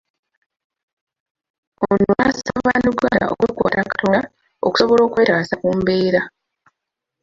Ono n'asaba bannayuganda okwekwata Katonda okusobola okwetaasa ku mbeera.